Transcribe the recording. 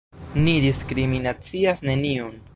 Ni diskriminacias neniun!